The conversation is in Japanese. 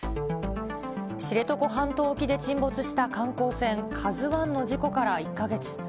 知床半島沖で沈没した観光船、ＫＡＺＵＩの事故から１か月。